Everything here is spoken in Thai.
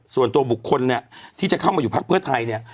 ส่วนตัวบุคคลเนี่ยที่จะเข้ามาอยู่พักเพื่อไทยเนี่ย